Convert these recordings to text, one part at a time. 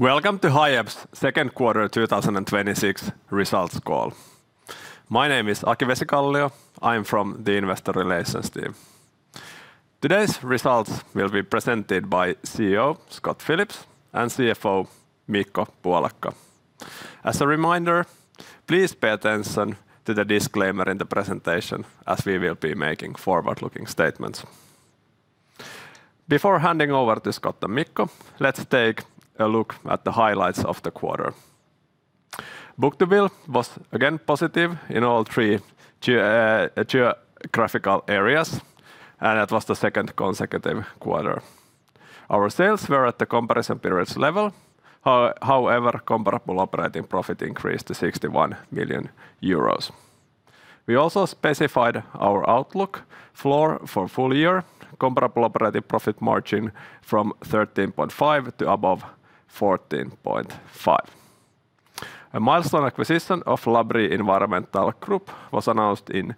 Welcome to Hiab's Q2 2026 results call. My name is Aki Vesikallio. I am from the investor relations team. Today's results will be presented by CEO Scott Phillips and CFO Mikko Puolakka. As a reminder, please pay attention to the disclaimer in the presentation, as we will be making forward-looking statements. Before handing over to Scott and Mikko, let's take a look at the highlights of the quarter. book-to-bill was again positive in all three geographical areas, and it was the second consecutive quarter. Our sales were at the comparison periods level. comparable operating profit increased to 61 million euros. We also specified our outlook floor for full-year comparable operating profit margin from 13.5% to above 14.5%. A milestone acquisition of Labrie Environmental Group was announced on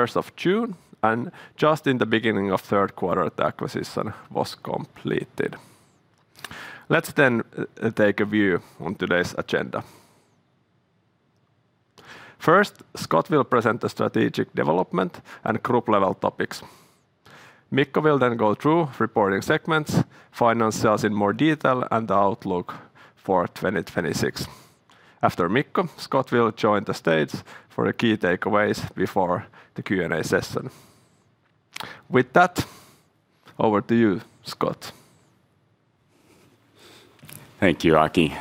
the June 1st, and just in the beginning of the Q3, the acquisition was completed. Let's take a view on today's agenda. First, Scott will present the strategic development and group-level topics. Mikko will go through reporting segments, financials in more detail, and the outlook for 2026. After Mikko, Scott will join the stage for the key takeaways before the Q&A session. With that, over to you, Scott. Thank you, Aki.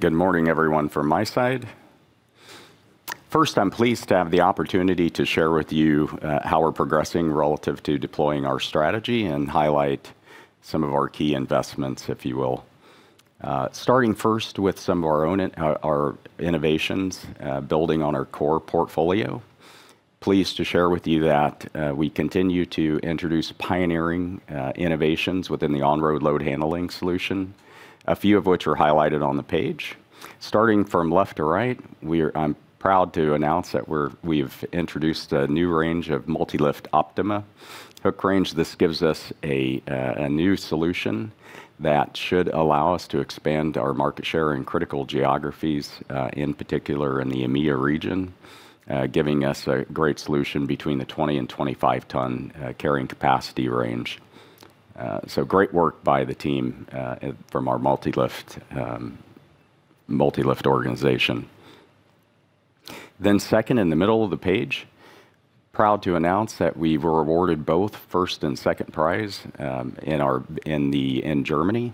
Good morning, everyone, from my side. First, I am pleased to have the opportunity to share with you how we are progressing relative to deploying our strategy and highlight some of our key investments, if you will. Starting first with some of our innovations, building on our core portfolio. Pleased to share with you that we continue to introduce pioneering innovations within the on-road load handling solution, a few of which are highlighted on the page. Starting from left to right, I am proud to announce that we have introduced a new range of MULTILIFT Optima hook range. This gives us a new solution that should allow us to expand our market share in critical geographies, in particular in the EMEA region, giving us a great solution between the 20 and 25-ton carrying capacity range. Great work by the team from our MULTILIFT organization. Second, in the middle of the page, proud to announce that we were awarded both first and second prize in Germany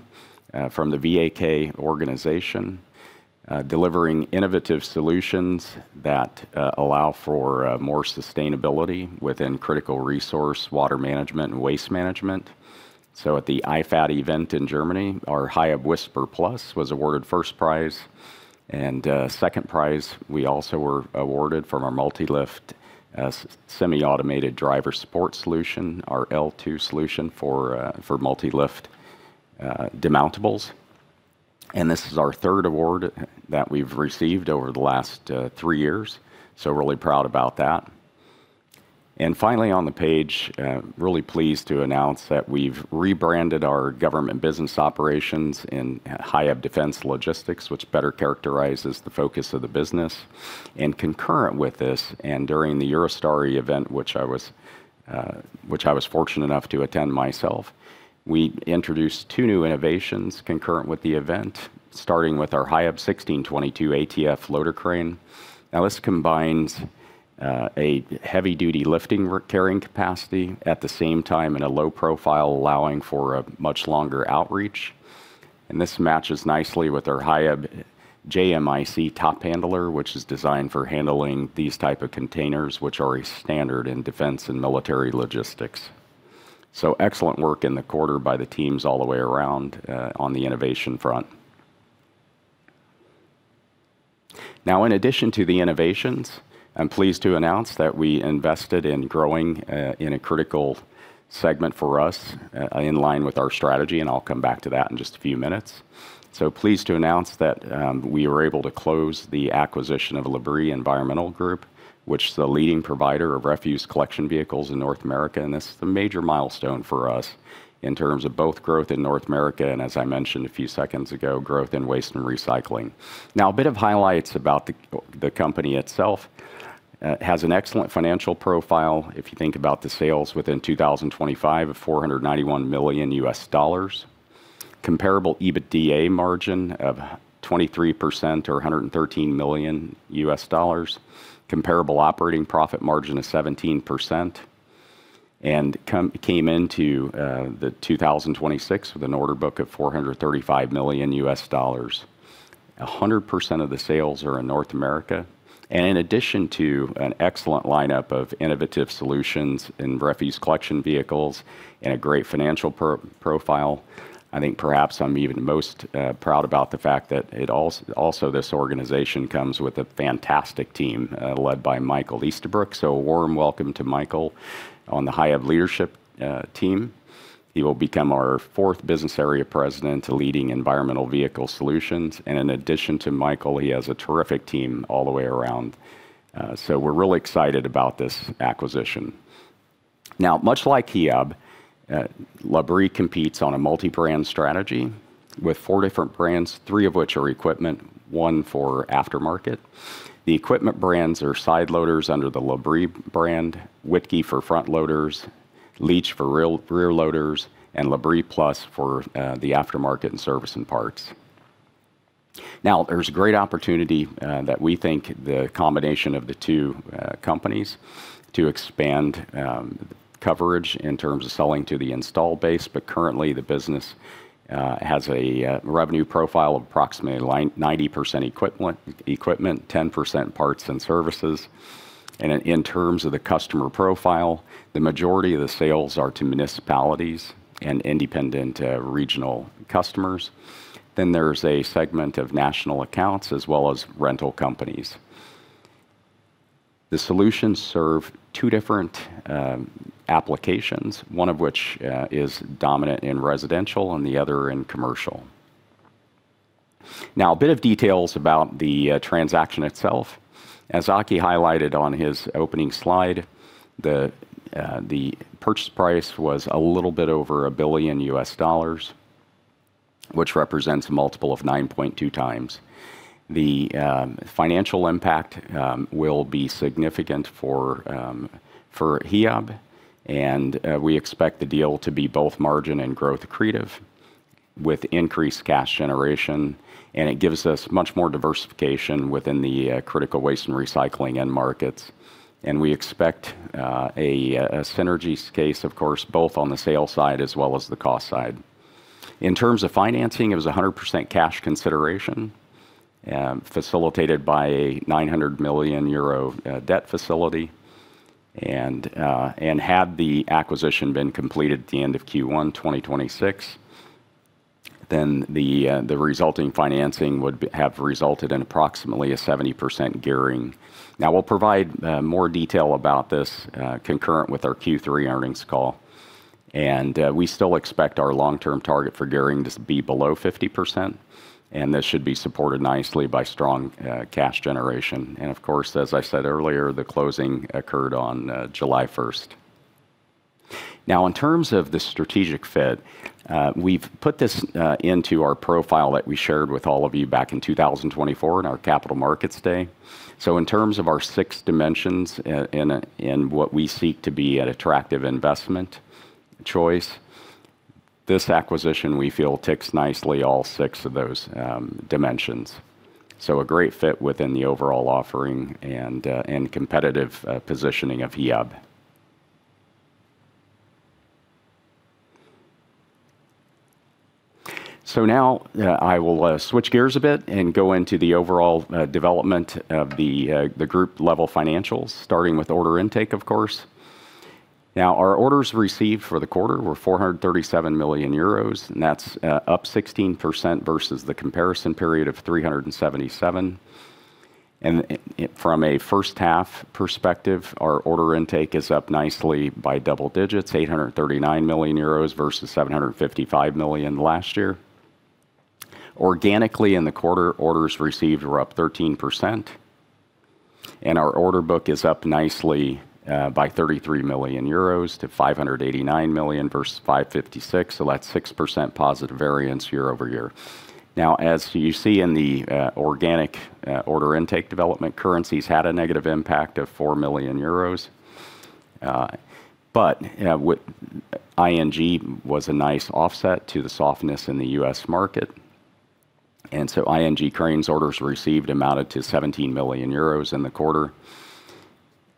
from the VAK organization, delivering innovative solutions that allow for more sustainability within critical resource water management and waste management. At the IFAT event in Germany, our HIAB wspr+ was awarded first prize and second prize, we also were awarded from our MULTILIFT semi-automated driver support solution, our L2 solution for MULTILIFT demountables. This is our third award that we have received over the last three years, really proud about that. Finally on the page, really pleased to announce that we have rebranded our government business operations as Hiab Defence Logistics, which better characterizes the focus of the business. Concurrent with this, and during the Eurosatory event, which I was fortunate enough to attend myself, we introduced two new innovations concurrent with the event, starting with our HIAB 1622 ATF Loader Crane. This combines a heavy-duty lifting carrying capacity at the same time in a low profile, allowing for a much longer outreach. This matches nicely with our HIAB JMIC Top Handler, which is designed for handling these type of containers, which are a standard in defense and military logistics. Excellent work in the quarter by the teams all the way around on the innovation front. In addition to the innovations, I'm pleased to announce that we invested in growing in a critical segment for us in line with our strategy, and I'll come back to that in just a few minutes. Pleased to announce that we were able to close the acquisition of Labrie Environmental Group, which is the leading provider of refuse collection vehicles in North America. This is a major milestone for us in terms of both growth in North America and, as I mentioned a few seconds ago, growth in waste and recycling. A bit of highlights about the company itself. It has an excellent financial profile if you think about the sales within 2025 of $491 million, comparable EBITDA margin of 23% or $113 million, comparable operating profit margin of 17%, and came into 2026 with an order book of $435 million. 100% of the sales are in North America. In addition to an excellent lineup of innovative solutions in refuse collection vehicles and a great financial profile, I think perhaps I'm even most proud about the fact that also this organization comes with a fantastic team, led by Michael Eastabrook. A warm welcome to Michael on the Hiab leadership team. He will become our fourth business area president, leading Environmental Vehicle Solutions. In addition to Michael, he has a terrific team all the way around. We're really excited about this acquisition. Much like Hiab, Labrie competes on a multi-brand strategy with four different brands, three of which are equipment, one for aftermarket. The equipment brands are side loaders under the Labrie brand, Wittke for front loaders, Leach for rear loaders, and Labrie Plus for the aftermarket and service and parts. There's great opportunity that we think the combination of the two companies to expand coverage in terms of selling to the installed base, but currently, the business has a revenue profile of approximately 90% equipment, 10% parts and services. In terms of the customer profile, the majority of the sales are to municipalities and independent regional customers. There's a segment of national accounts as well as rental companies. The solutions serve two different applications, one of which is dominant in residential and the other in commercial. A bit of details about the transaction itself. As Aki highlighted on his opening slide, the purchase price was a little bit over $1 billion, which represents a multiple of 9.2x. The financial impact will be significant for Hiab, we expect the deal to be both margin and growth accretive with increased cash generation, and it gives us much more diversification within the critical waste and recycling end markets. We expect a synergy case, of course, both on the sales side as well as the cost side. In terms of financing, it was 100% cash consideration, facilitated by a 900 million euro debt facility. Had the acquisition been completed at the end of Q1 2026, the resulting financing would have resulted in approximately a 70% gearing. We'll provide more detail about this concurrent with our Q3 earnings call. We still expect our long-term target for gearing to be below 50%, and this should be supported nicely by strong cash generation. Of course, as I said earlier, the closing occurred on July 1st. In terms of the strategic fit, we've put this into our profile that we shared with all of you back in 2024 in our capital markets day. In terms of our six dimensions in what we seek to be an attractive investment choice, this acquisition, we feel, ticks nicely all six of those dimensions. A great fit within the overall offering and competitive positioning of Hiab. I will switch gears a bit and go into the overall development of the group level financials, starting with order intake, of course. Our orders received for the quarter were 437 million euros, and that's up 16% versus the comparison period of 377 million. From a first half perspective, our order intake is up nicely by double digits, 839 million euros versus 755 million last year. Organically in the quarter, orders received were up 13%, and our order book is up nicely by 33 million euros to 589 million versus 556 million, so that's six percent positive variance year-over-year. As you see in the organic order intake development, currencies had a negative impact of 4 million euros, but ING Cranes was a nice offset to the softness in the U.S. market. ING Cranes orders received amounted to 17 million euros in the quarter.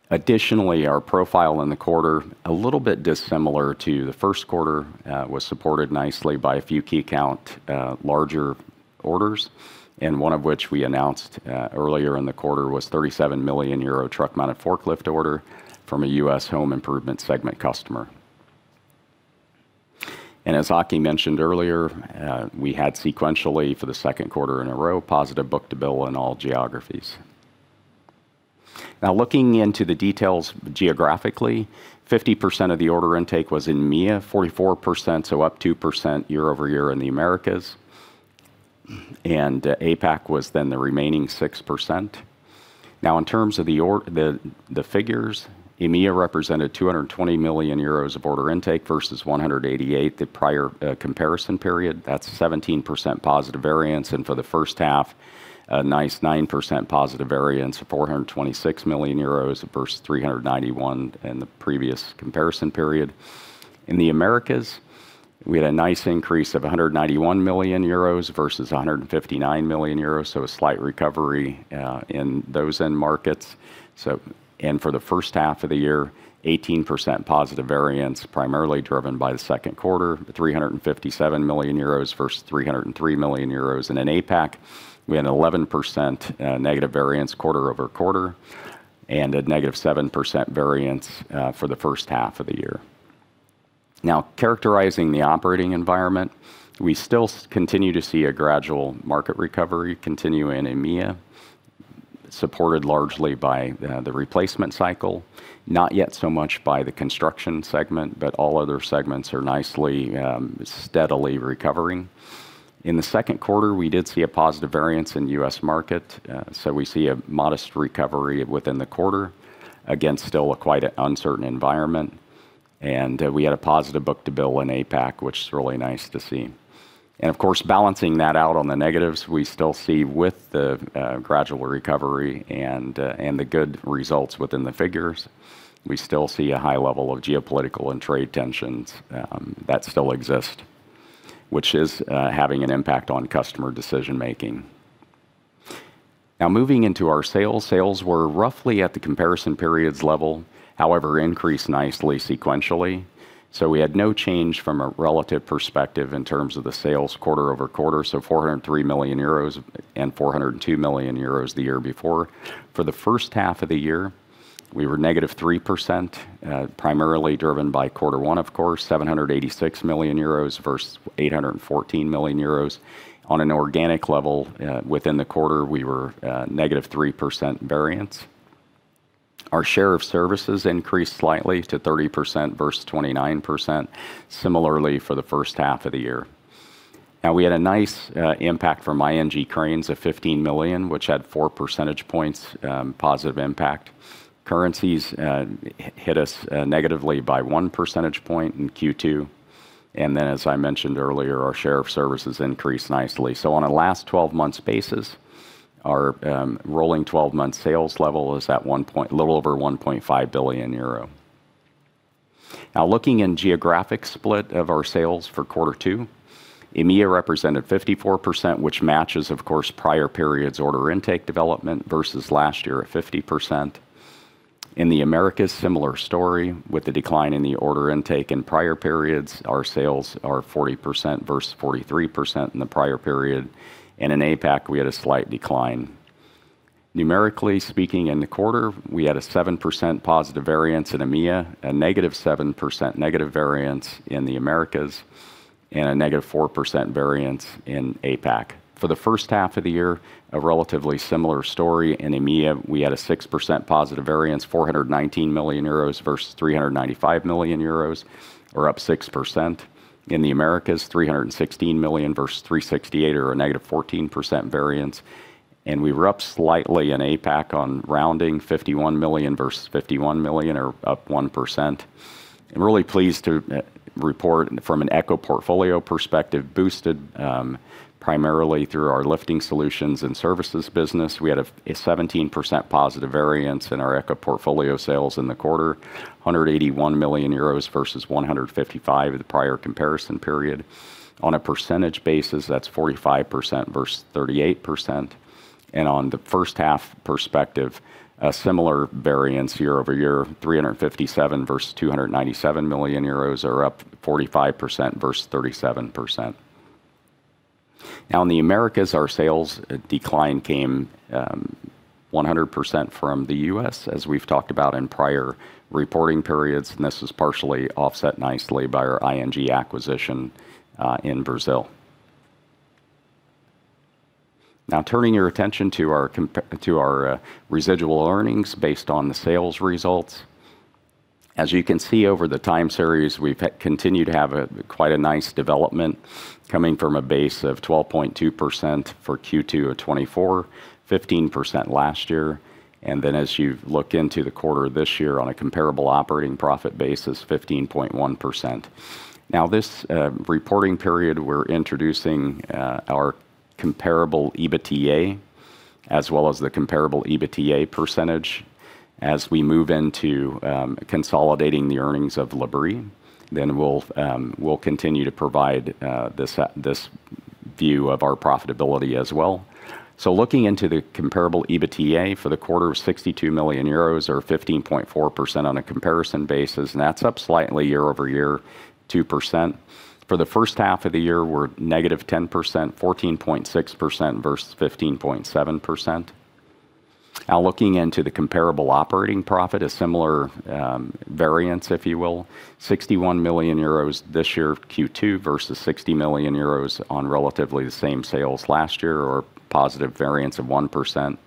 Additionally, our profile in the quarter, a little bit dissimilar to the Q1, was supported nicely by a few key count larger orders, one of which we announced earlier in the quarter was 37 million euro truck-mounted forklift order from a U.S. home improvement segment customer. As Aki mentioned earlier, we had sequentially, for the Q2 in a row, positive book-to-bill in all geographies. Looking into the details geographically, 50% of the order intake was in EMEA, 44%, so up two percent year-over-year in the Americas, and APAC was the remaining six percent. In terms of the figures, EMEA represented 220 million euros of order intake versus 188 million the prior comparison period. That's 17% positive variance. For the first half, a nice nine percent positive variance of 426 million euros versus 391 million in the previous comparison period. In the Americas, we had a nice increase of 191 million euros versus 159 million euros, so a slight recovery, in those end markets. For the first half of the year, 18% positive variance, primarily driven by the Q2, 357 million euros versus 303 million euros. In APAC, we had an 11% negative variance quarter-over-quarter and a negative seven percent variance for the first half of the year. Characterizing the operating environment, we still continue to see a gradual market recovery continue in EMEA, supported largely by the replacement cycle, not yet so much by the construction segment, but all other segments are nicely steadily recovering. In the Q2, we did see a positive variance in the U.S. market. We see a modest recovery within the quarter against still quite an uncertain environment, and we had a positive book-to-bill in APAC, which is really nice to see. Of course, balancing that out on the negatives, we still see with the gradual recovery and the good results within the figures, we still see a high level of geopolitical and trade tensions that still exist, which is having an impact on customer decision-making. Moving into our sales. Sales were roughly at the comparison period's level, however, increased nicely sequentially. We had no change from a relative perspective in terms of the sales quarter-over-quarter, 403 million euros and 402 million euros the year before. For the first half of the year, we were negative three percent, primarily driven by Q1, of course, 786 million euros versus 814 million euros. On an organic level within the quarter, we were a negative three percent variance. Our share of services increased slightly to 30% versus 29%, similarly for the first half of the year. Now, we had a nice impact from ING Cranes of 15 million, which had four percentage points positive impact. Currencies hit us negatively by one percentage point in Q2. Then, as I mentioned earlier, our share of services increased nicely. On a last 12 months basis, our rolling 12-month sales level is at a little over 1.5 billion euro. Now, looking in geographic split of our sales for Q2, EMEA represented 54%, which matches, of course, prior periods order intake development versus last year at 50%. In the Americas, similar story with the decline in the order intake in prior periods, our sales are 40% versus 43% in the prior period. In APAC, we had a slight decline. Numerically speaking, in the quarter, we had a seven percent positive variance in EMEA, a negative seven percent variance in the Americas, and a negative four percent variance in APAC. For the first half of the year, a relatively similar story. In EMEA, we had a six percent positive variance, 419 million euros versus 395 million euros, or up six percent. In the Americas, 316 million versus 368 million or a negative 14% variance. We were up slightly in APAC on rounding 51 million versus 51 million or up one percent. I'm really pleased to report from an Eco portfolio perspective, boosted primarily through our lifting solutions and services business. We had a 17% positive variance in our Eco portfolio sales in the quarter, 181 million euros versus 155 million in the prior comparison period. On a percentage basis, that's 45% versus 38%, and on the first half perspective, a similar variance year-over-year, 357 million versus 297 million euros or up 45% versus 37%. Now in the Americas, our sales decline came 100% from the U.S., as we've talked about in prior reporting periods, and this was partially offset nicely by our ING acquisition in Brazil. Now turning your attention to our residual earnings based on the sales results. As you can see over the time series, we've continued to have quite a nice development coming from a base of 12.2% for Q2 of 2024, 15% last year. As you look into the quarter this year on a comparable operating profit basis, 15.1%. This reporting period, we're introducing our comparable EBITA as well as the comparable EBITA percentage. As we move into consolidating the earnings of Labrie, we'll continue to provide this view of our profitability as well. Looking into the comparable EBITA for the quarter of 62 million euros or 15.4% on a comparison basis, that's up slightly year-over-year, two percent. For the first half of the year, we're negative 10%, 14.6% versus 15.7%. Looking into the comparable operating profit, a similar variance, if you will, 61 million euros this year, Q2, versus 60 million euros on relatively the same sales last year or positive variance of one percent.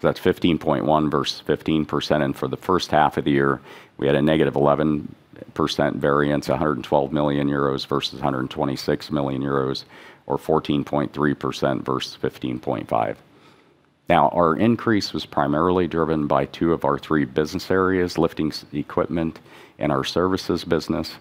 That's 15.1% versus 15%, for the first half of the year, we had a negative 11% variance, 112 million euros versus 126 million euros, or 14.3% versus 15.5%. Our increase was primarily driven by two of our three business areas, lifting equipment and our services business.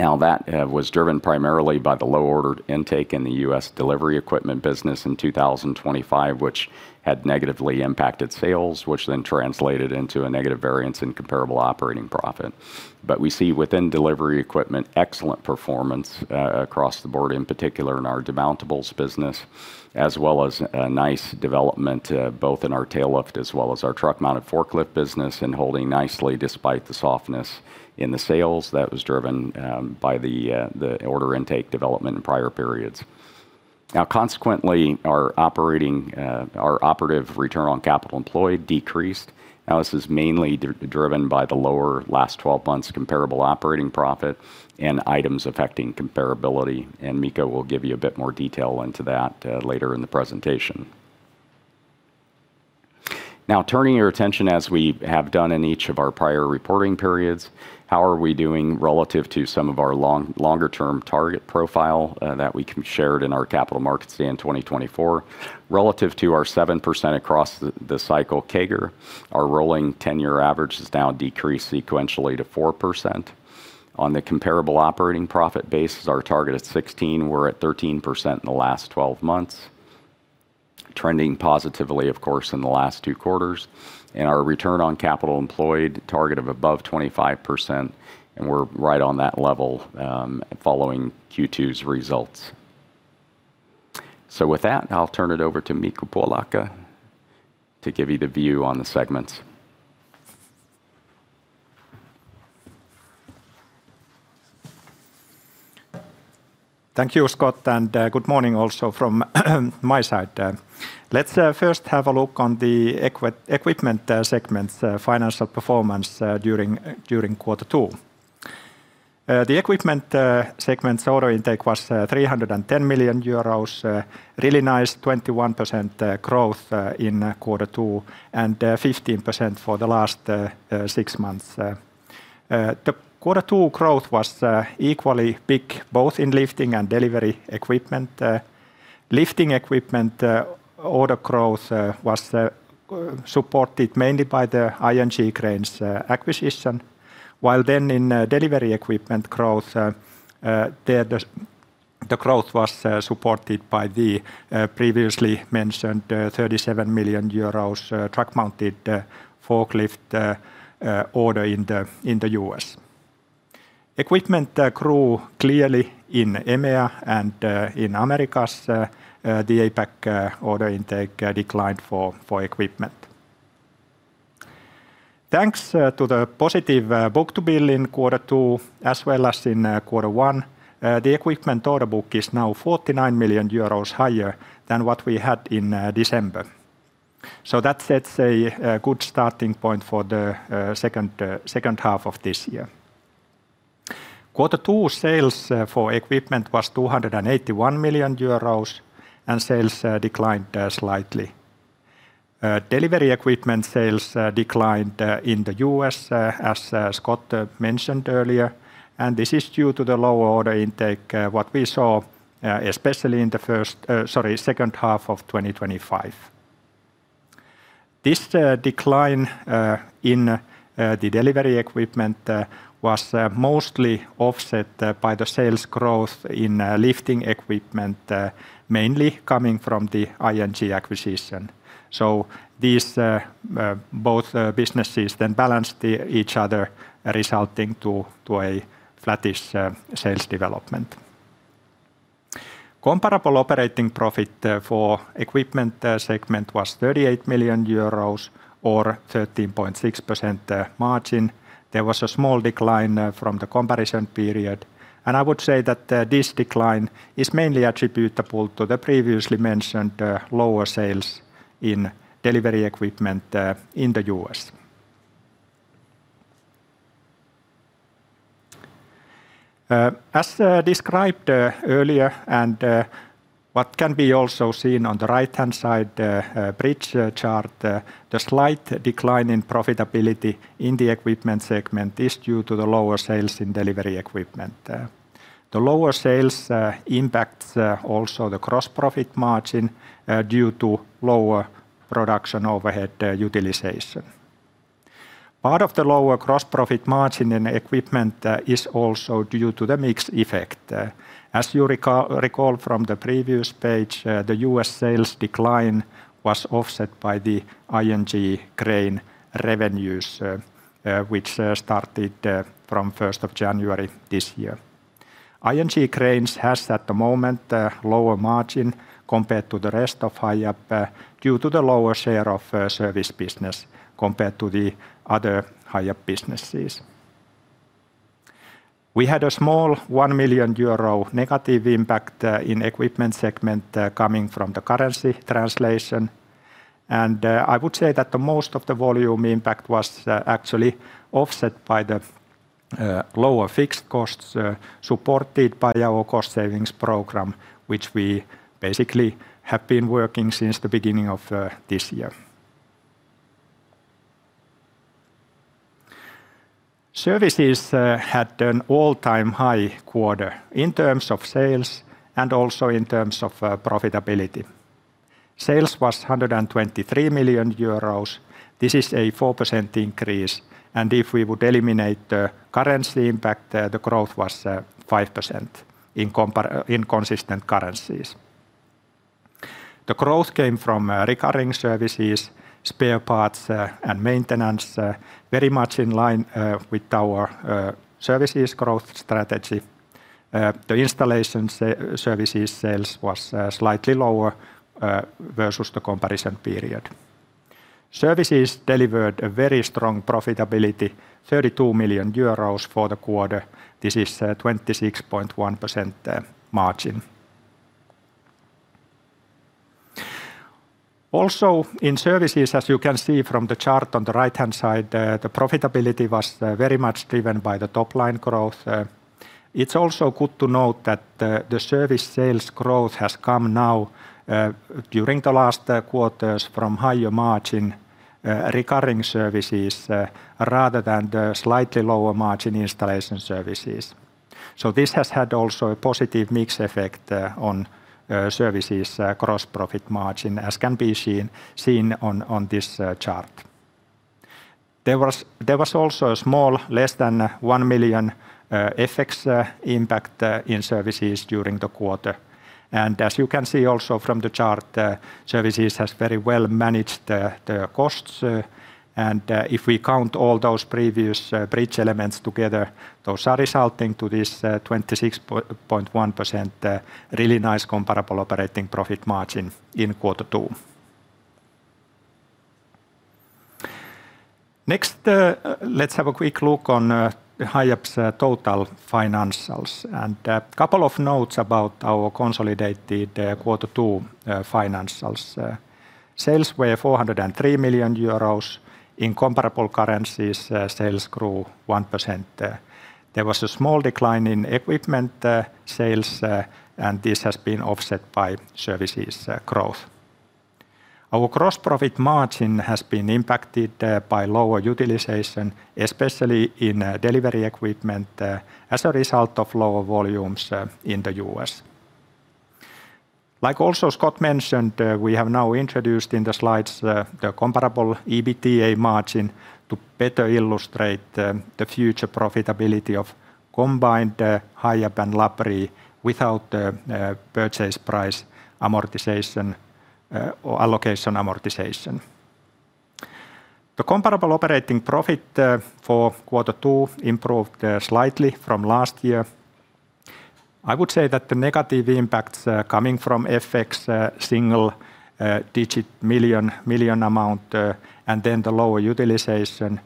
That was driven primarily by the low ordered intake in the U.S. delivery equipment business in 2025, which had negatively impacted sales, which translated into a negative variance in comparable operating profit. We see within delivery equipment, excellent performance across the board, in particular in our demountables business, as well as a nice development both in our tail lift as well as our truck-mounted forklift business and holding nicely despite the softness in the sales that was driven by the order intake development in prior periods. Consequently, our operative return on capital employed decreased. This is mainly driven by the lower last 12 months comparable operating profit and items affecting comparability, and Mikko will give you a bit more detail into that later in the presentation. Turning your attention as we have done in each of our prior reporting periods, how are we doing relative to some of our longer-term target profile that we shared in our capital markets day in 2024. Relative to our seven percent across the cycle CAGR, our rolling 10-year average has decreased sequentially to four percent. On the comparable operating profit basis, our target at 16%, we're at 13% in the last 12 months. Trending positively, of course, in the last two quarters. Our return on capital employed target of above 25%, we're right on that level following Q2's results. With that, I'll turn it over to Mikko Puolakka to give you the view on the segments. Thank you, Scott, and good morning also from my side. Let's first have a look on the Equipment segment's financial performance during Q2. The Equipment segment's order intake was 310 million euros. A really nice 21% growth in Q2 and 15% for the last six months. The Q2 growth was equally big both in lifting and delivery equipment. Lifting equipment order growth was supported mainly by the ING Cranes acquisition, while then in delivery equipment growth, the growth was supported by the previously mentioned 37 million euros truck mounted forklift order in the U.S. Equipment grew clearly in EMEA and in Americas. The APAC order intake declined for equipment. Thanks to the positive book-to-bill in Q2 as well as in Q1, the equipment order book is now 49 million euros higher than what we had in December. That sets a good starting point for the second half of this year. Q2 sales for equipment was 281 million euros and sales declined slightly. Delivery equipment sales declined in the U.S., as Scott mentioned earlier, and this is due to the lower order intake, what we saw especially in the second half of 2025. This decline in the delivery equipment was mostly offset by the sales growth in lifting equipment, mainly coming from the ING acquisition. Both businesses then balanced each other, resulting to a flattish sales development. Comparable operating profit for Equipment segment was 38 million euros or 13.6% margin. There was a small decline from the comparison period, and I would say that this decline is mainly attributable to the previously mentioned lower sales in delivery equipment in the U.S. As described earlier and what can be also seen on the right-hand side bridge chart, the slight decline in profitability in the Equipment segment is due to the lower sales in delivery equipment. The lower sales impacts also the gross profit margin due to lower production overhead utilization. Part of the lower gross profit margin in Equipment is also due to the mix effect. As you recall from the previous page, the U.S. sales decline was offset by the ING Cranes revenues, which started from January 1st this year. ING Cranes has, at the moment, lower margin compared to the rest of Hiab due to the lower share of service business compared to the other Hiab businesses. We had a small 1 million euro negative impact in Equipment segment coming from the currency translation, and I would say that the most of the volume impact was actually offset by the lower fixed costs supported by our cost savings program, which we basically have been working since the beginning of this year. Services had an all-time high quarter in terms of sales and also in terms of profitability. Sales was 123 million euros. This is a four percent increase, and if we would eliminate the currency impact, the growth was five percent in consistent currencies. The growth came from recurring services, spare parts, and maintenance, very much in line with our services growth strategy. The installation services sales was slightly lower versus the comparison period. Services delivered a very strong profitability, 32 million euros for the quarter. This is 26.1% margin. In services, as you can see from the chart on the right-hand side, the profitability was very much driven by the top-line growth. It is also good to note that the service sales growth has come now during the last quarters from higher-margin recurring services, rather than the slightly lower-margin installation services. This has also had a positive mix effect on services gross profit margin, as can be seen on this chart. There was also a small, less than 1 million FX impact in services during the quarter. As you can see also from the chart, services has very well managed the costs. If we count all those previous bridge elements together, those are resulting to this 26.1% really nice comparable operating profit margin in Q2. Next, let us have a quick look on Hiab's total financials. A couple of notes about our consolidated Q2 financials. Sales were 403 million euros. In comparable currencies, sales grew one percent. There was a small decline in equipment sales, this has been offset by services growth. Our gross profit margin has been impacted by lower utilization, especially in delivery equipment, as a result of lower volumes in the U.S. Like also Scott mentioned, we have now introduced in the slides the comparable EBITA margin to better illustrate the future profitability of combined Hiab and Labrie without the purchase price amortization or allocation amortization. The comparable operating profit for Q2 improved slightly from last year. I would say that the negative impacts coming from FX single-digit million amount, the lower utilization,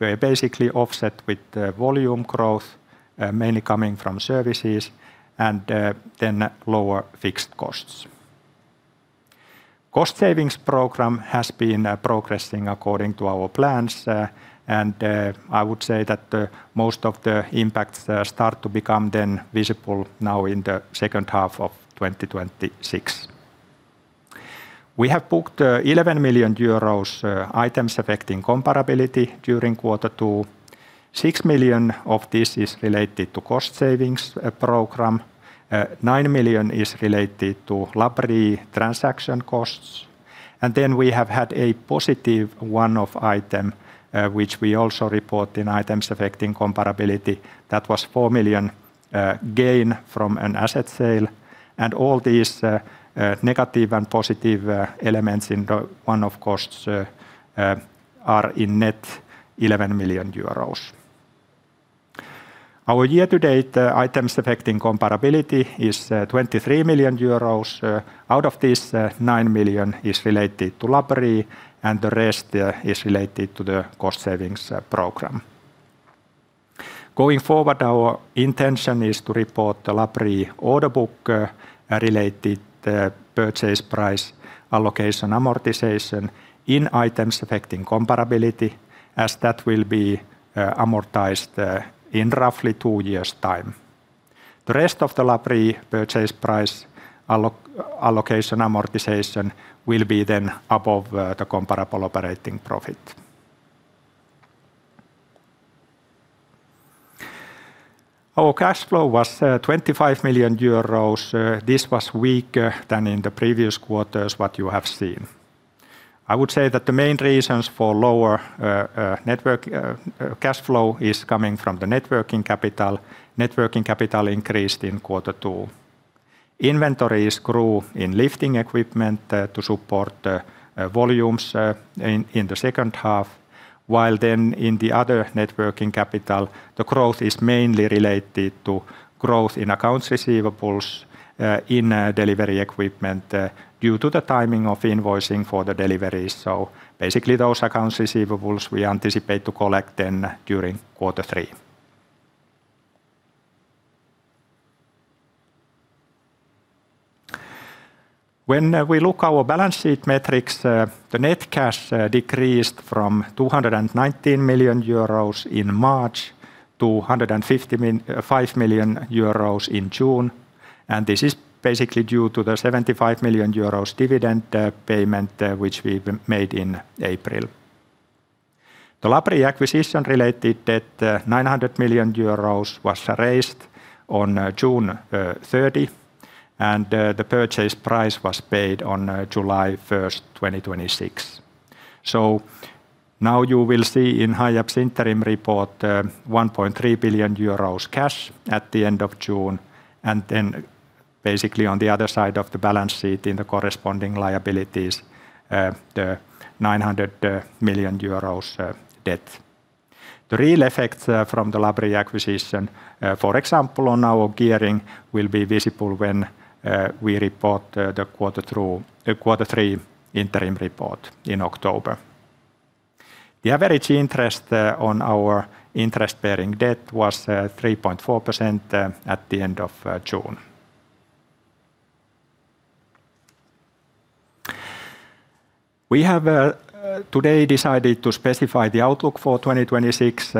were basically offset with volume growth, mainly coming from services and lower fixed costs. Cost savings program has been progressing according to our plans, I would say that most of the impacts start to become then visible now in the second half of 2026. We have booked 11 million euros items affecting comparability during Q2. 6 million of this is related to cost savings program. 9 million is related to Labrie transaction costs. We have had a positive one-off item, which we also report in items affecting comparability. That was 4 million gain from an asset sale. All these negative and positive elements in the one-off costs are in net 11 million euros. Our year-to-date items affecting comparability is 23 million euros. Out of this, 9 million is related to Labrie, the rest is related to the cost savings program. Going forward, our intention is to report the Labrie order book-related purchase price allocation amortization in items affecting comparability, as that will be amortized in roughly two years' time. The rest of the Labrie purchase price allocation amortization will be above the comparable operating profit. Our cash flow was 25 million euros. This was weaker than in the previous quarters, what you have seen. I would say that the main reasons for lower cash flow is coming from the net working capital. Net working capital increased in Q2. Inventories grew in lifting equipment to support volumes in the second half, while in the other net working capital, the growth is mainly related to growth in accounts receivables in delivery equipment due to the timing of invoicing for the deliveries. Those accounts receivables we anticipate to collect then during Q3. When we look our balance sheet metrics, the net cash decreased from 219 million euros in March to 155 million euros in June. This is basically due to the 75 million euros dividend payment, which we made in April. The Labrie acquisition-related debt, 900 million euros, was raised on June 30, and the purchase price was paid on July 1st, 2026. Now you will see in Hiab's interim report 1.3 billion euros cash at the end of June, and then basically on the other side of the balance sheet in the corresponding liabilities, the 900 million euros debt. The real effect from the Labrie acquisition, for example, on our gearing, will be visible when we report the Q3 interim report in October. The average interest on our interest-bearing debt was 3.4% at the end of June. We have today decided to specify the outlook for 2026.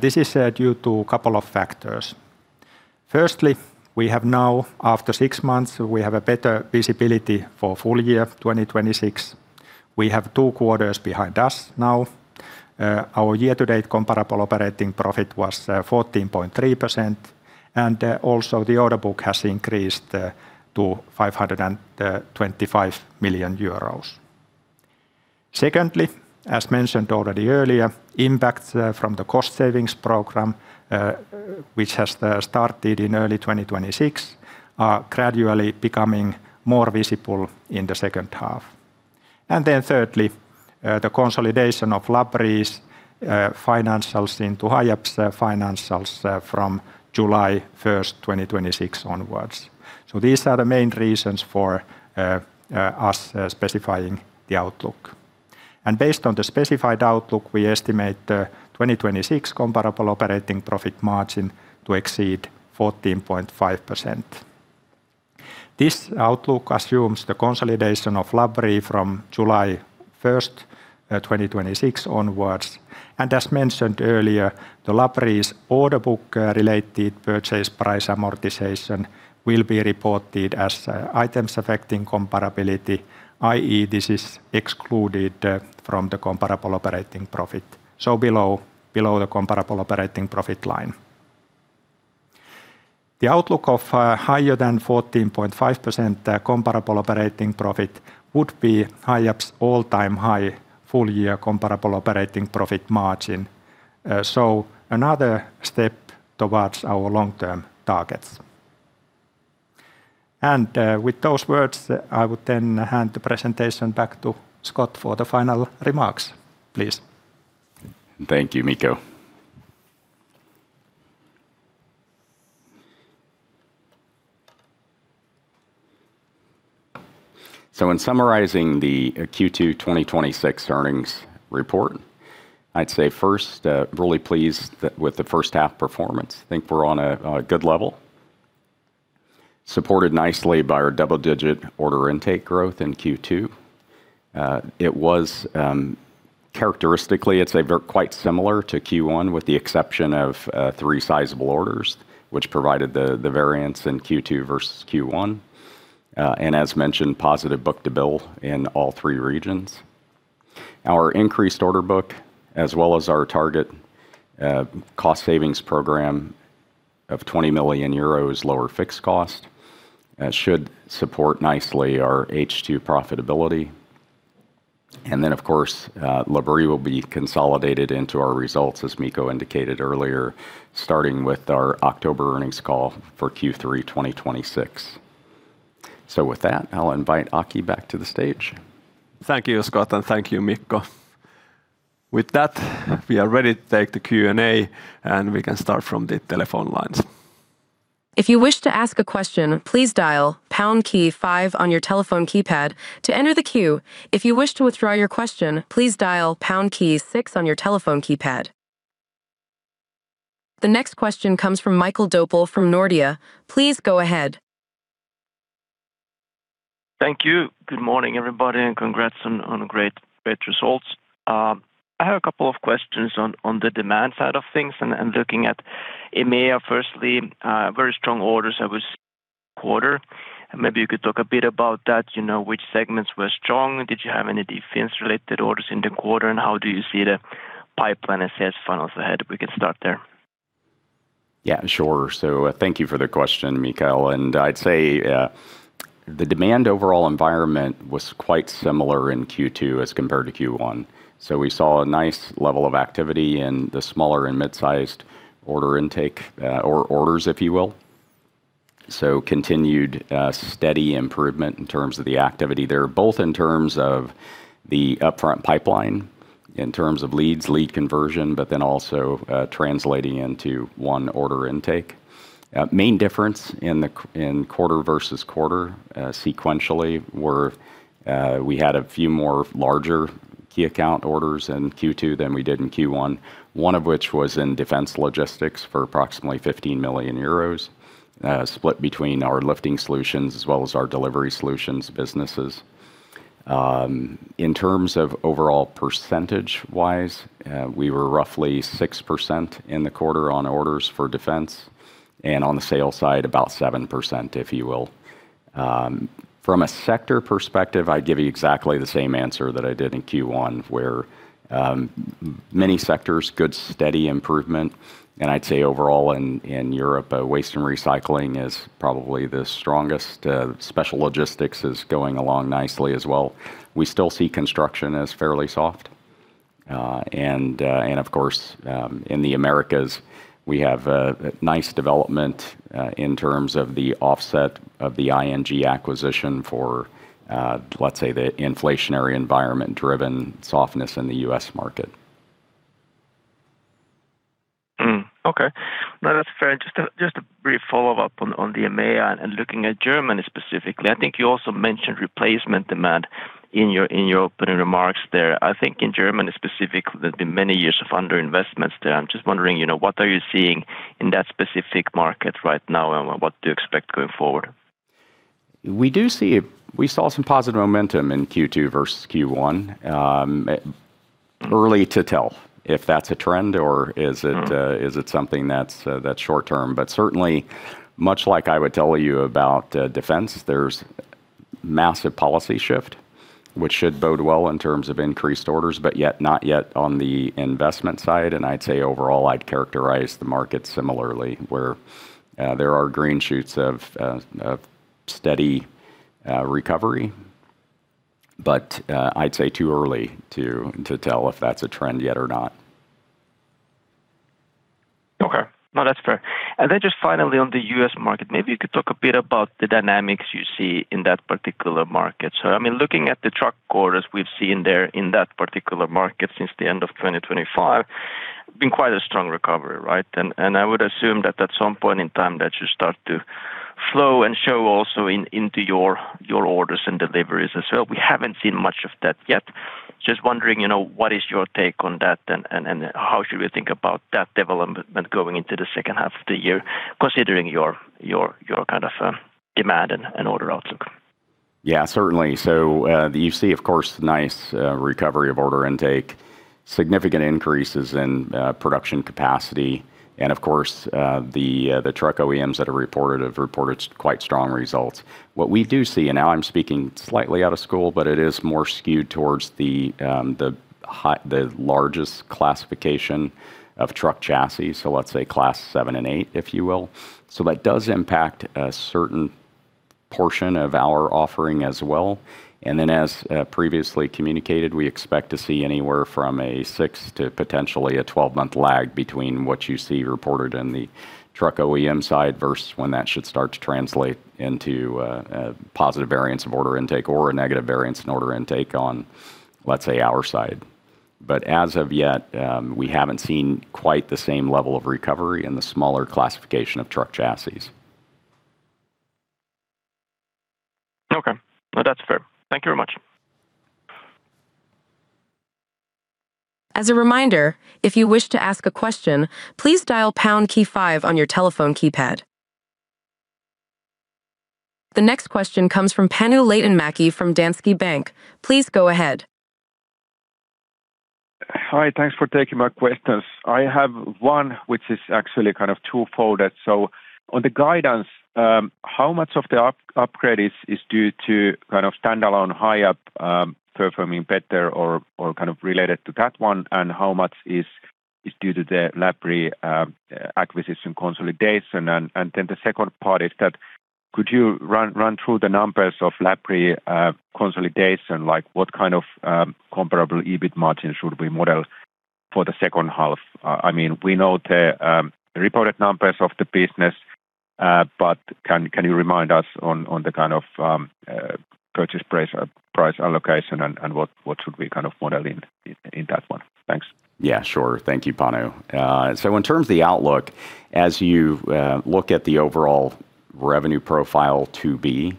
This is due to a couple of factors. Firstly, we have now, after six months, we have a better visibility for full year 2026. We have two quarters behind us now. Our year-to-date comparable operating profit was 14.3%. The order book has increased to 525 million euros. Secondly, as mentioned already earlier, impact from the cost savings program, which has started in early 2026, are gradually becoming more visible in the second half. Thirdly, the consolidation of Labrie's financials into Hiab's financials from July 1st, 2026 onwards. These are the main reasons for us specifying the outlook. Based on the specified outlook, we estimate the 2026 comparable operating profit margin to exceed 14.5%. This outlook assumes the consolidation of Labrie from July 1st, 2026 onwards. As mentioned earlier, the Labrie's order book related purchase price amortization will be reported as items affecting comparability, i.e., this is excluded from the comparable operating profit, below the comparable operating profit line. The outlook of higher than 14.5% comparable operating profit would be Hiab's all-time high full-year comparable operating profit margin. Another step towards our long-term targets. With those words, I would then hand the presentation back to Scott for the final remarks. Please. Thank you, Mikko. In summarizing the Q2 2026 earnings report, I'd say first, really pleased with the first half performance. Think we're on a good level, supported nicely by our double-digit order intake growth in Q2. Characteristically, I'd say quite similar to Q1, with the exception of three sizable orders, which provided the variance in Q2 versus Q1. As mentioned, positive book-to-bill in all three regions. Our increased order book, as well as our target cost savings program of 20 million euros lower fixed cost, should support nicely our H2 profitability. Of course, Labrie will be consolidated into our results, as Mikko indicated earlier, starting with our October earnings call for Q3 2026. With that, I'll invite Aki back to the stage. Thank you, Scott, and thank you, Mikko. With that, we are ready to take the Q&A, and we can start from the telephone lines. If you wish to ask a question, please dial # five on your telephone keypad to enter the queue. If you wish to withdraw your question, please dial # six on your telephone keypad. The next question comes from Mikael Doepel from Nordea. Please go ahead. Thank you. Good morning, everybody, and congrats on great results. I have a couple of questions on the demand side of things and looking at EMEA. Firstly, very strong orders I would say quarter. Maybe you could talk a bit about that. Which segments were strong? Did you have any defense-related orders in the quarter, and how do you see the pipeline and sales funnels ahead? We can start there. Yeah, sure. Thank you for the question, Mikael. I'd say the demand overall environment was quite similar in Q2 as compared to Q1. We saw a nice level of activity in the smaller and mid-sized order intake or orders, if you will. Continued steady improvement in terms of the activity there, both in terms of the upfront pipeline, in terms of leads, lead conversion, but then also translating into one order intake. Main difference in quarter versus quarter sequentially were we had a few more larger key account orders in Q2 than we did in Q1, one of which was in Defence Logistics for approximately 15 million euros, split between our lifting solutions as well as our delivery solutions businesses. In terms of overall percentage-wise, we were roughly six percent in the quarter on orders for defense, and on the sales side, about seven percent, if you will. From a sector perspective, I'd give you exactly the same answer that I did in Q1, where many sectors, good steady improvement. I'd say overall in Europe, waste and recycling is probably the strongest. Special logistics is going along nicely as well. We still see construction as fairly soft. Of course, in the Americas, we have a nice development in terms of the offset of the ING acquisition for, let's say, the inflationary environment-driven softness in the U.S. market. Okay. No, that's fair. Just a brief follow-up on the EMEA, looking at Germany specifically. I think you also mentioned replacement demand in your opening remarks there. I think in Germany specifically, there's been many years of underinvestments there. I'm just wondering, what are you seeing in that specific market right now, and what do you expect going forward? We saw some positive momentum in Q2 versus Q1. Early to tell if that's a trend or is it something that's short term, certainly much like I would tell you about defense, there's massive policy shift, which should bode well in terms of increased orders, yet not yet on the investment side. I'd say overall, I'd characterize the market similarly, where there are green shoots of steady recovery. I'd say too early to tell if that's a trend yet or not. Okay. No, that's fair. Just finally on the U.S. market, maybe you could talk a bit about the dynamics you see in that particular market. Looking at the truck orders we've seen there in that particular market since the end of 2025, been quite a strong recovery, right? I would assume that at some point in time that should start to flow and show also into your orders and deliveries as well. We haven't seen much of that yet. Just wondering, what is your take on that and how should we think about that development going into the second half of the year, considering your kind of demand and order outlook? Yeah, certainly. You see, of course, nice recovery of order intake, significant increases in production capacity, and of course, the truck OEMs that have reported have reported quite strong results. What we do see, and now I'm speaking slightly out of school, but it is more skewed towards the largest classification of truck chassis, let's say Class seven and eight, if you will. That does impact a certain portion of our offering as well. As previously communicated, we expect to see anywhere from a six to potentially a 12-month lag between what you see reported in the truck OEM side versus when that should start to translate into a positive variance of order intake or a negative variance in order intake on, let's say, our side. As of yet, we haven't seen quite the same level of recovery in the smaller classification of truck chassis. Okay. No, that's fair. Thank you very much. As a reminder, if you wish to ask a question, please dial pound key five on your telephone keypad. The next question comes from Panu Laitinmäki from Danske Bank. Please go ahead. Hi, thanks for taking my questions. I have one which is actually kind of two-folded. On the guidance, how much of the upgrade is due to kind of standalone Hiab performing better or kind of related to that one? How much is due to the Labrie acquisition consolidation? The second part is that could you run through the numbers of Labrie consolidation? What kind of comparable EBIT margin should we model for the second half? I mean, we know the reported numbers of the business, but can you remind us on the kind of purchase price allocation and what should we kind of model in that one? Thanks. Yeah, sure. Thank you, Panu. In terms of the outlook, as you look at the overall revenue profile to be,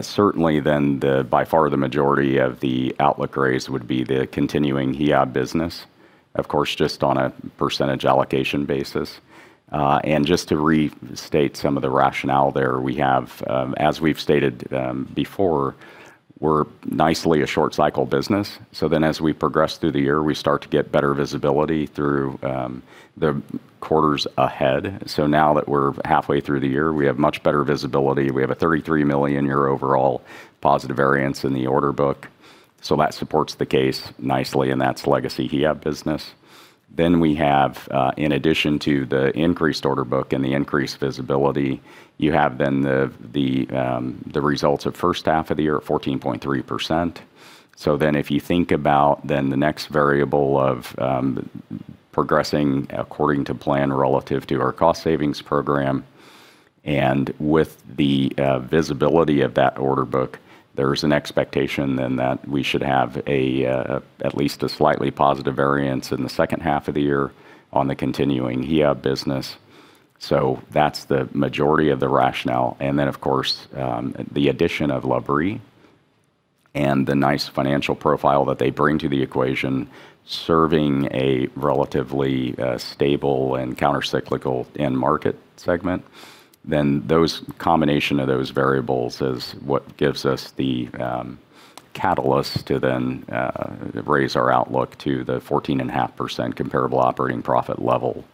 certainly then by far the majority of the outlook raise would be the continuing Hiab business, of course, just on a percentage allocation basis. Just to restate some of the rationale there, we have, as we've stated before, we're nicely a short cycle business. As we progress through the year, we start to get better visibility through the quarters ahead. Now that we're halfway through the year, we have much better visibility. We have a €33 million overall positive variance in the order book. That supports the case nicely, and that's legacy Hiab business. We have, in addition to the increased order book and the increased visibility, you have then the results of first half of the year at 14.3%. If you think about then the next variable of progressing according to plan relative to our cost savings program and with the visibility of that order book, there's an expectation then that we should have at least a slightly positive variance in the second half of the year on the continuing Hiab business. That's the majority of the rationale. Of course, the addition of Labrie and the nice financial profile that they bring to the equation, serving a relatively stable and counter-cyclical end market segment. Those combination of those variables is what gives us the catalyst to then raise our outlook to the 14.5% comparable operating profit level.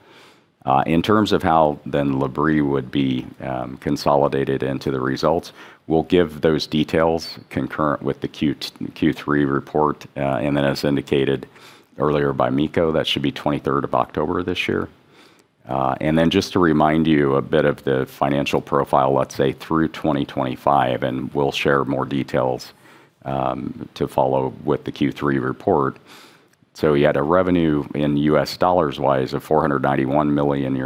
In terms of how then Labrie would be consolidated into the results, we'll give those details concurrent with the Q3 report. As indicated earlier by Mikko, that should be October 23rd this year. Just to remind you a bit of the financial profile, let's say through 2025, and we'll share more details to follow with the Q3 report. We had a revenue in US dollars-wise of $491 million,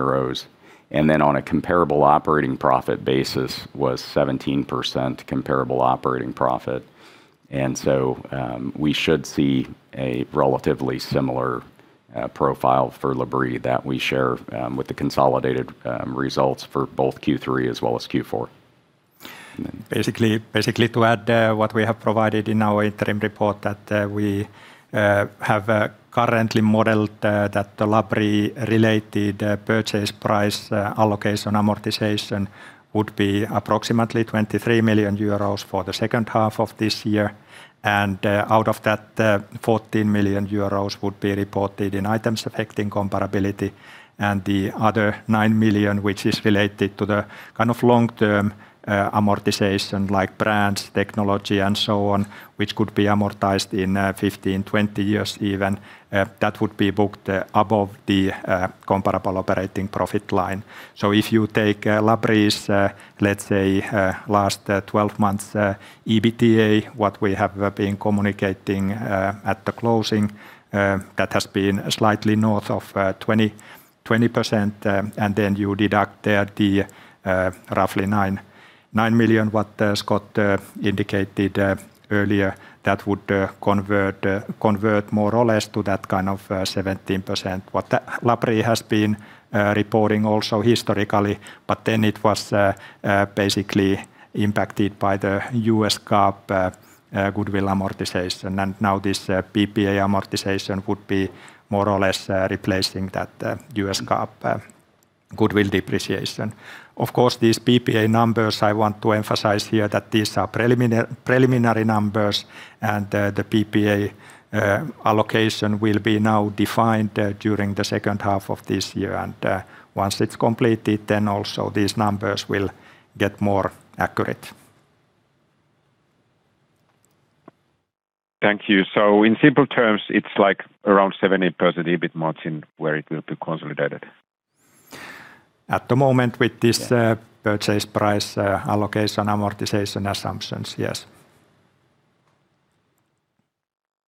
and then on a comparable operating profit basis was 17% comparable operating profit. We should see a relatively similar profile for Labrie that we share with the consolidated results for both Q3 as well as Q4. To add what we have provided in our interim report, that we have currently modeled that the Labrie-related purchase price allocation amortization would be approximately 23 million euros for the second half of this year. Out of that, 14 million euros would be reported in items affecting comparability and the other 9 million, which is related to the long-term amortization like brands, technology, and so on, which could be amortized in 15, 20 years even. That would be booked above the comparable operating profit line. If you take Labrie's, let's say, last 12 months EBITDA, what we have been communicating at the closing, that has been slightly north of 20%. Then you deduct there the roughly 9 million, what Scott indicated earlier, that would convert more or less to that kind of 17%, what Labrie has been reporting also historically. It was impacted by the US GAAP goodwill amortization, now this PPA amortization would be more or less replacing that US GAAP goodwill depreciation. These PPA numbers, I want to emphasize here that these are preliminary numbers, and the PPA allocation will be now defined during the second half of this year. Once it's completed, then also these numbers will get more accurate. Thank you. In simple terms, it's around 17% EBIT margin where it will be consolidated? At the moment with this purchase price allocation amortization assumptions, yes.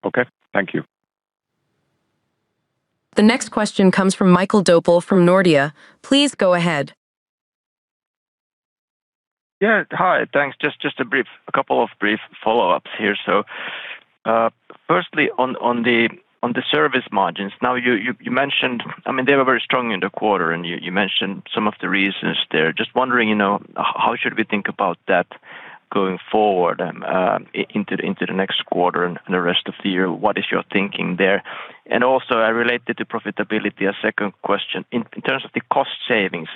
Okay. Thank you. The next question comes from Mikael Doepel from Nordea. Please go ahead. Hi. Thanks. Just a couple of brief follow-ups here. Firstly on the service margins. Now you mentioned they were very strong in the quarter, and you mentioned some of the reasons there. Just wondering how should we think about that going forward into the next quarter and the rest of the year. What is your thinking there? Also related to profitability, a second question. In terms of the cost savings,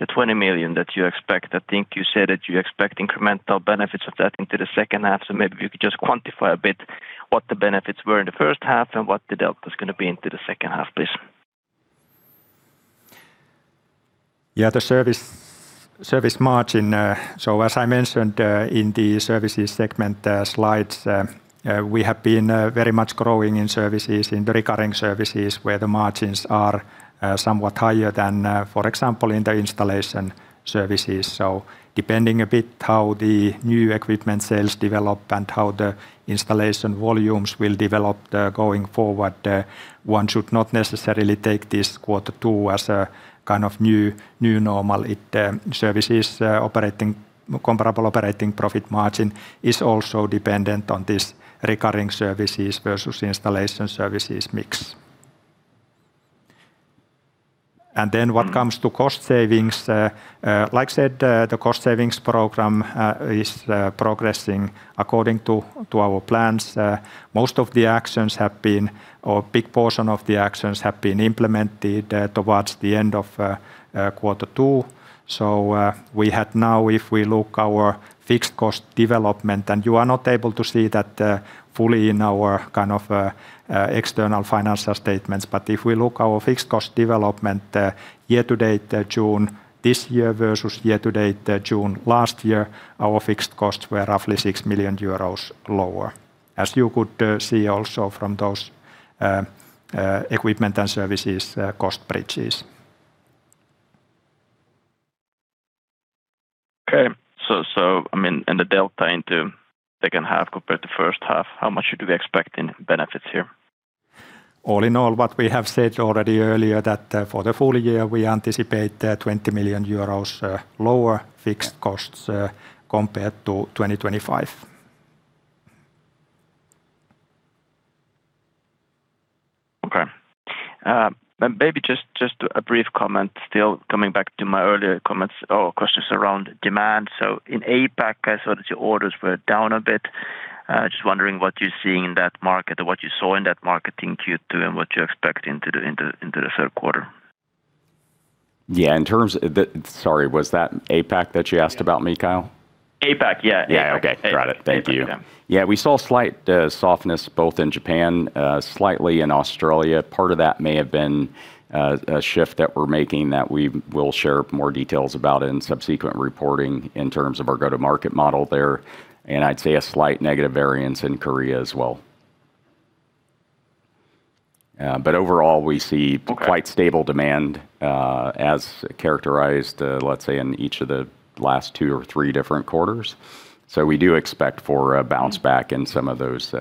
the 20 million that you expect, I think you said that you expect incremental benefits of that into the second half. Maybe if you could just quantify a bit what the benefits were in the first half and what the delta is going to be into the second half, please. The service margin. As I mentioned in the services segment slides, we have been very much growing in services, in the recurring services where the margins are somewhat higher than, for example, in the installation services. Depending a bit how the new equipment sales develop and how the installation volumes will develop going forward, one should not necessarily take this Q2 as a kind of new normal. Services comparable operating profit margin is also dependent on this recurring services versus installation services mix. What comes to cost savings, like I said, the cost savings program is progressing according to our plans. A big portion of the actions have been implemented towards the end of Q2. We had now, if we look our fixed cost development, and you are not able to see that fully in our external financial statements. If we look our fixed cost development year to date June this year versus year to date June last year, our fixed costs were roughly 6 million euros lower. As you could see also from those equipment and services cost bridges. Okay. The delta into second half compared to first half, how much should we expect in benefits here? All in all, what we have said already earlier, that for the full year, we anticipate 20 million euros lower fixed costs compared to 2025. Okay. Maybe just a brief comment, still coming back to my earlier comments or questions around demand. In APAC, I saw that your orders were down a bit. Just wondering what you're seeing in that market or what you saw in that market in Q2 and what you expect into the Q3. Yeah, in terms, was that APAC that you asked about Mikael? APAC, yeah. Yeah, okay. Got it. Thank you. Yeah, we saw slight softness both in Japan, slightly in Australia. Part of that may have been a shift that we're making that we will share more details about in subsequent reporting in terms of our go-to-market model there. I'd say a slight negative variance in Korea as well. Overall, we see quite stable demand as characterized, let's say, in each of the last two or three different quarters. We do expect for a bounce back in some of those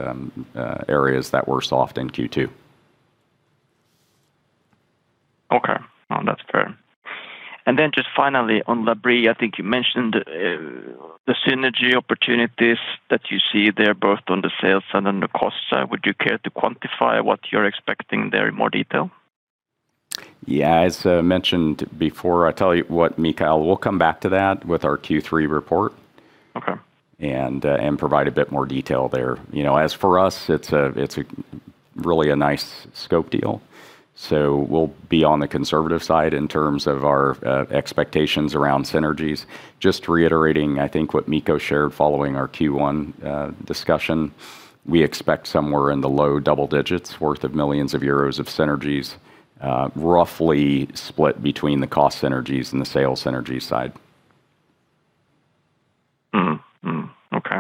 areas that were soft in Q2. Okay. No, that's fair. Just finally on Labrie, I think you mentioned the synergy opportunities that you see there, both on the sales side and the cost side. Would you care to quantify what you're expecting there in more detail? Yeah. As mentioned before, I tell you what, Mikael, we will come back to that with our Q3 report. Okay. Provide a bit more detail there. For us, it is really a nice scope deal. We will be on the conservative side in terms of our expectations around synergies. Just reiterating, I think what Mikko shared following our Q1 discussion, we expect somewhere in the low double digits worth of millions of EUR of synergies, roughly split between the cost synergies and the sales synergies side. Okay.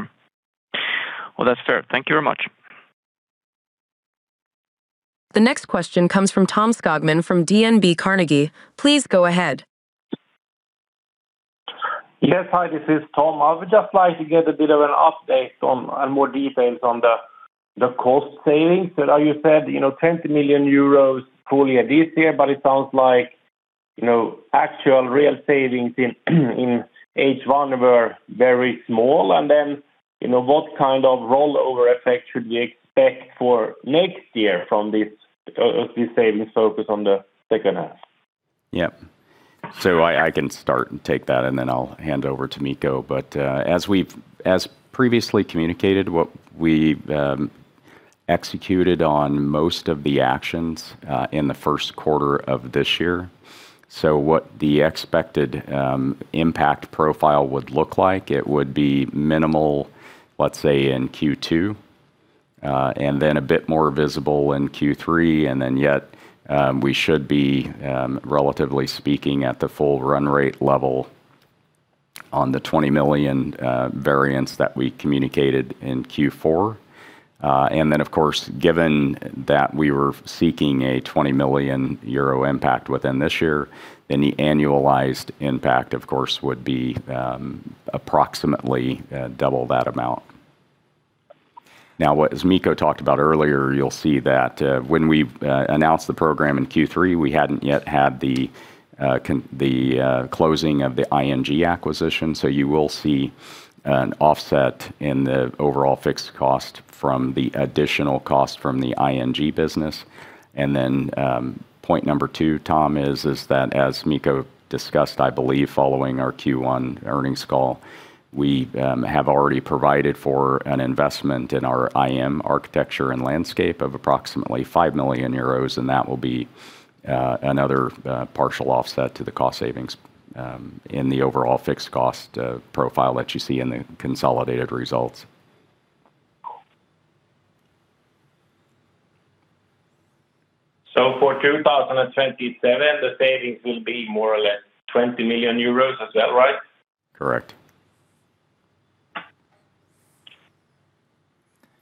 Well, that is fair. Thank you very much. The next question comes from Tom Skogman from DNB Carnegie. Please go ahead. Yes. Hi, this is Tom Skogman. I would just like to get a bit of an update and more details on the cost savings that you said 20 million euros fully this year, but it sounds like actual real savings in H1 were very small. What kind of rollover effect should we expect for next year from these savings focused on the second half? I can start and take that, and then I'll hand over to Mikko Puolakka. As previously communicated, what we've executed on most of the actions in the Q1 of this year. What the expected impact profile would look like, it would be minimal, let's say, in Q2, and then a bit more visible in Q3, and then yet we should be, relatively speaking, at the full run rate level on the 20 million variance that we communicated in Q4. Then, of course, given that we were seeking a 20 million euro impact within this year, then the annualized impact, of course, would be approximately double that amount. As Mikko Puolakka talked about earlier, you'll see that when we announced the program in Q3, we hadn't yet had the closing of the ING acquisition. You will see an offset in the overall fixed cost from the additional cost from the ING business. Point number two, Tom Skogman, is that as Mikko Puolakka discussed, I believe, following our Q1 earnings call, we have already provided for an investment in our IT architecture and landscape of approximately 5 million euros, and that will be another partial offset to the cost savings in the overall fixed cost profile that you see in the consolidated results. For 2027, the savings will be more or less 20 million euros as well, right? Correct.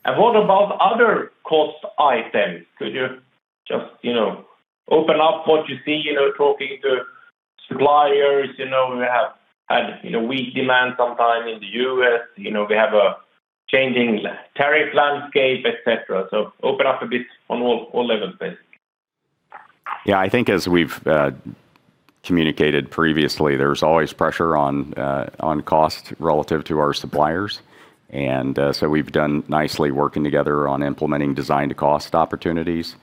What about other cost items? Could you just open up what you see talking to suppliers, we have had weak demand sometime in the U.S. We have a changing tariff landscape, et cetera. Open up a bit on all levels, basically. Yeah, I think as we've communicated previously, there's always pressure on cost relative to our suppliers. We've done nicely working together on implementing design to cost opportunities.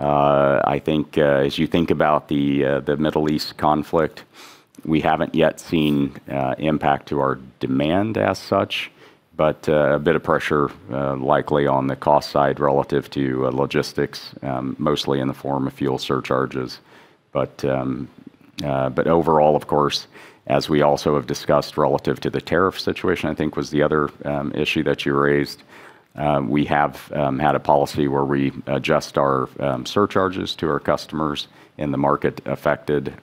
I think, as you think about the Middle East conflict, we haven't yet seen impact to our demand as such, but a bit of pressure, likely on the cost side relative to logistics, mostly in the form of fuel surcharges. Overall, of course, as we also have discussed relative to the tariff situation, I think was the other issue that you raised. We have had a policy where we adjust our surcharges to our customers in the market affected,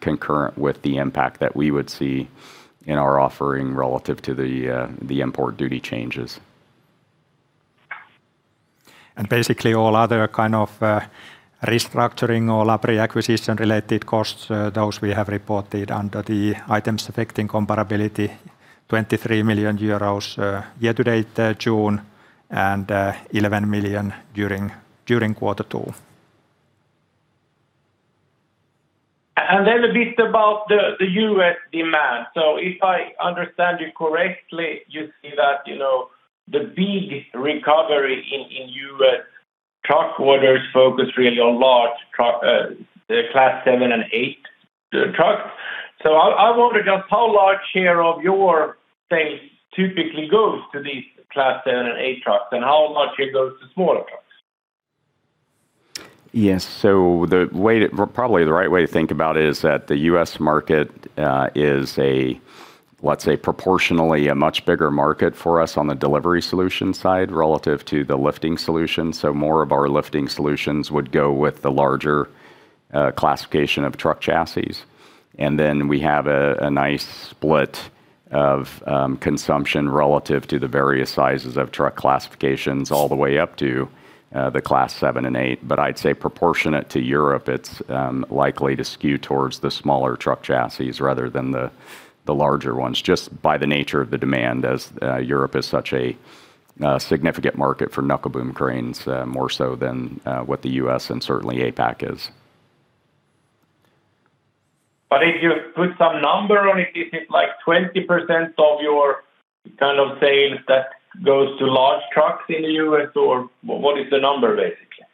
concurrent with the impact that we would see in our offering relative to the import duty changes. Basically all other kind of restructuring or Labrie acquisition related costs, those we have reported under the items affecting comparability, 23 million euros year to date June, and 11 million during Q2. Then a bit about the U.S. demand. If I understand you correctly, you see that the big recovery in U.S. truck orders focus really on large Class seven and eight trucks. I wonder just how large share of your sales typically goes to these Class seven and eight trucks, and how much it goes to smaller trucks? Yes. Probably the right way to think about it is that the U.S. market is, let's say, proportionally a much bigger market for us on the delivery solution side relative to the lifting solution. More of our lifting solutions would go with the larger classification of truck chassis. Then we have a nice split of consumption relative to the various sizes of truck classifications all the way up to the Class seven and eight. I'd say proportionate to Europe, it is likely to skew towards the smaller truck chassis rather than the larger ones, just by the nature of the demand as Europe is such a significant market for knuckle boom cranes, more so than what the U.S. and certainly APAC is. If you put some number on it, is it like 20% of your sales that goes to large trucks in the U.S., or what is the number, basically?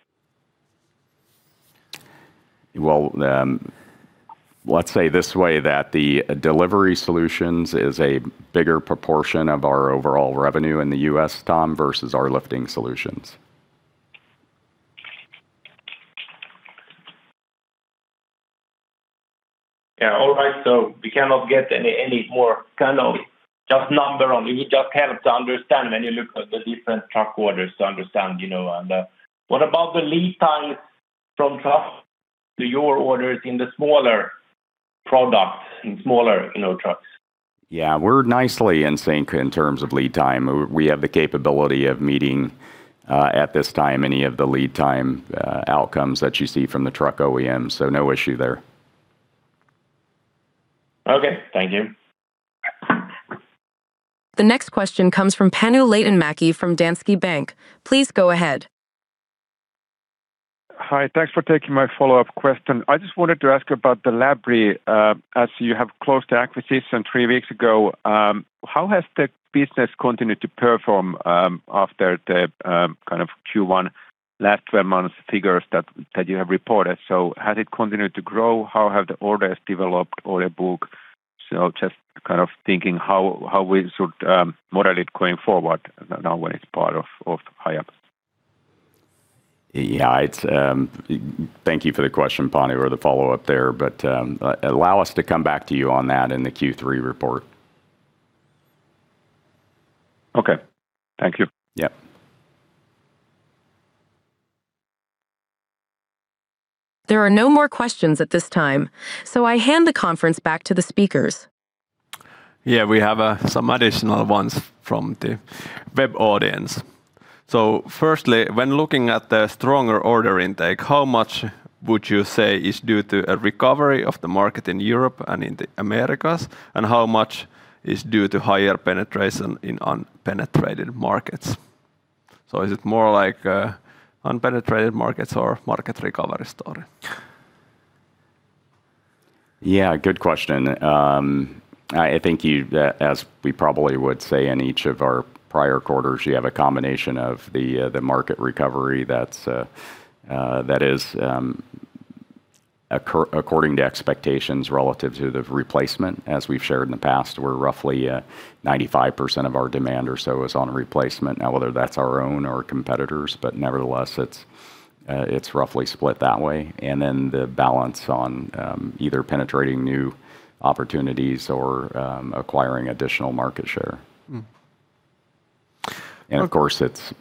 Let's say this way, that the delivery solutions is a bigger proportion of our overall revenue in the U.S., Tom, versus our lifting solutions. All right. We cannot get any more, just number only. We just have to understand when you look at the different truck orders to understand. What about the lead times from trucks to your orders in the smaller products, in smaller trucks? Yeah. We're nicely in sync in terms of lead time. We have the capability of meeting, at this time, any of the lead time outcomes that you see from the truck OEMs. No issue there. Okay. Thank you. The next question comes from Panu Laitinmäki from Danske Bank. Please go ahead. Hi. Thanks for taking my follow-up question. I just wanted to ask about the Labrie, as you have closed the acquisition three weeks ago. How has the business continued to perform after the Q1 last 12 months figures that you have reported? Has it continued to grow? How have the orders developed, order book? Just thinking how we should model it going forward now when it's part of Hiab. Yeah. Thank you for the question, Panu, or the follow-up there, allow us to come back to you on that in the Q3 report. Okay. Thank you. Yeah. There are no more questions at this time, I hand the conference back to the speakers. Yeah, we have some additional ones from the web audience. Firstly, when looking at the stronger order intake, how much would you say is due to a recovery of the market in Europe and in the Americas, and how much is due to higher penetration in unpenetrated markets? Is it more like unpenetrated markets or market recovery story? Yeah, good question. I think as we probably would say in each of our prior quarters, you have a combination of the market recovery that is according to expectations relative to the replacement. As we've shared in the past, we are roughly 95% of our demand or so is on replacement. Whether that is our own or competitors, but nevertheless, it is roughly split that way. Then the balance on either penetrating new opportunities or acquiring additional market share. Of course, it has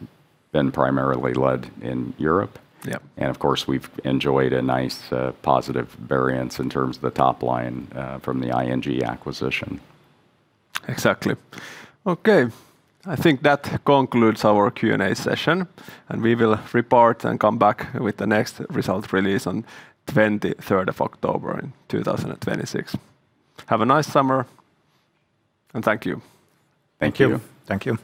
been primarily led in Europe. Yeah. Of course, we have enjoyed a nice, positive variance in terms of the top line from the ING acquisition. Exactly. Okay. I think that concludes our Q&A session, and we will report and come back with the next result release on October 23rd in 2026. Have a nice summer, and thank you. Thank you. Thank you.